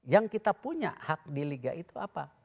yang kita punya hak di liga itu apa